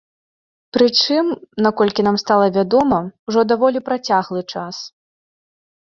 Прычым, наколькі нам стала вядома, ужо даволі працяглы час.